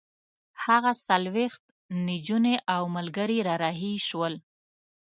هغه څلوېښت نجونې او ملګري را رهي شول.